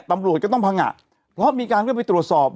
ตำรวจก็ต้องพังงะเพราะมีการเข้าไปตรวจสอบ